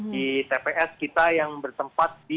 di tps kita yang bertempat di